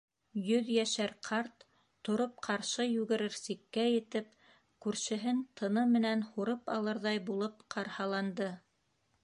Йөҙйәшәр ҡарт тороп ҡаршы йүгерер сиккә етеп, күршеһен тыны менән һурып алырҙай булып ҡарһаланды.